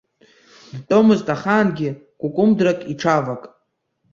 Дтәомызт ахаангьы кәыкәымдрак иҽавак.